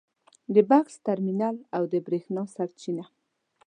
د بکس ترمینل او د برېښنا سرچینه